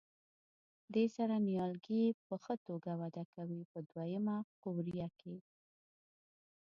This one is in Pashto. دې سره نیالګي په ښه توګه وده کوي په دوه یمه قوریه کې.